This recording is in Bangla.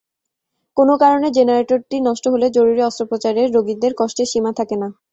কোনো কারণে জেনারেটরটি নষ্ট হলে জরুরি অস্ত্রোপচারের রোগীদের কষ্টের সীমা থাকে না।